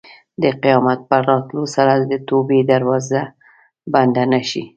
د قیامت په راتلو سره د توبې دروازه بنده نه شي.